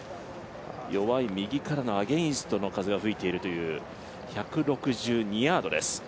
弱い右からのアゲンストの風が吹いているという１６２ヤードです。